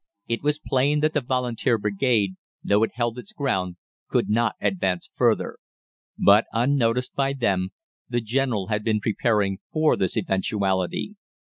It was plain that the Volunteer Brigade, though it held its ground, could not advance farther. But, unnoticed by them, the General had been preparing for this eventuality.